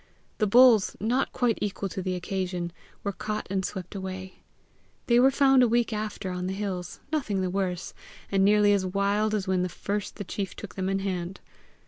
The bulls, not quite equal to the occasion, were caught and swept away. They were found a week after on the hills, nothing the worse, and nearly as wild as when first the chief took them in hand.